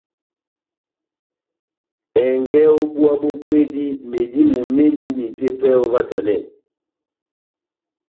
Ɛngɛ ó búwa bó kwédi, medímo médini tepɛhɛ óvahtanɛ ?